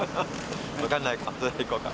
分かんないか行こうか。